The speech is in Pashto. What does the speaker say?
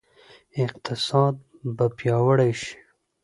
اقتصاد به پیاوړی شي؟